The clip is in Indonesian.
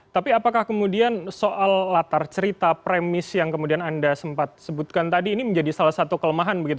tapi apakah kemudian soal latar cerita premis yang kemudian anda sempat sebutkan tadi ini menjadi salah satu kelemahan begitu